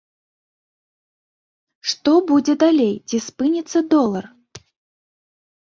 Што будзе далей, ці спыніцца долар?